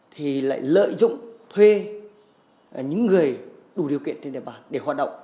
thì lại lợi dụng thuê những người đủ điều kiện trên địa bàn để hoạt động